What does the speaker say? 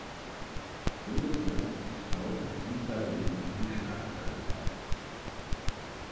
Bundesland zu kaufen, unfreiwillig in die Schlagzeilen brachte.